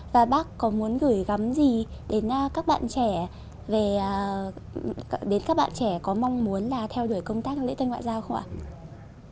và bác có muốn gửi gắm gì đến các bạn trẻ có mong muốn là theo đuổi công tác lễ tân ngoại giao không ạ